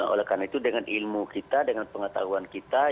oleh karena itu dengan ilmu kita dengan pengetahuan kita